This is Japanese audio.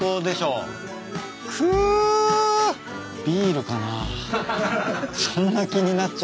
ビールかな？